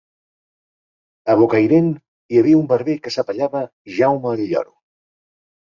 A Bocairent hi havia un barber que s’apellava Jaume el Lloro.